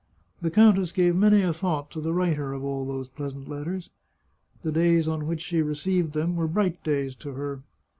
The countess gave many a thought to the writer of all those pleasant letters. The days on which she received them were bright days to her.